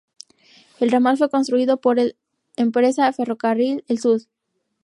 El ramal fue construido por el la empresa Ferrocarril del Sud.